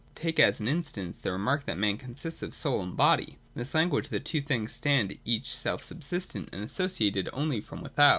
Take as an instance the remark that man consists of soul and body. In this language, the two things stand each self subsistent, and associated only from without.